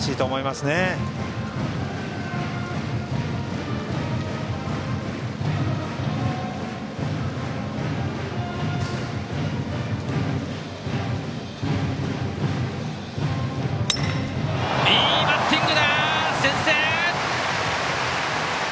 いいバッティングだ！